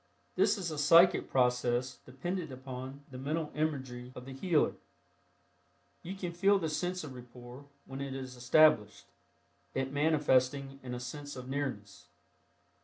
This is a psychic process dependent upon the mental imagery of the healer. You can feel the sense of rapport when it is established, it manifesting in a sense of nearness.